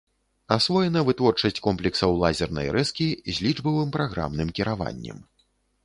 Асвоена вытворчасць комплексаў лазернай рэзкі з лічбавым праграмным кіраваннем.